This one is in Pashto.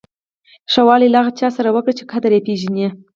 ښه والی له هغه چا سره وکړه چې قدر یې پیژني.